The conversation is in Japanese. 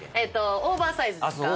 オーバーサイズですか？